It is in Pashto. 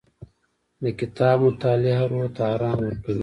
د کتاب مطالعه روح ته ارام ورکوي.